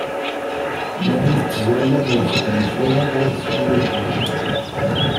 Mi ara tettẓallam, ur xeddmet ara am wat sin wudmawen.